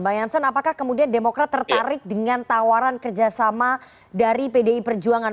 bang janson apakah kemudian demokrat tertarik dengan tawaran kerjasama dari pdi perjuangan